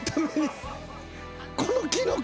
このキノコ。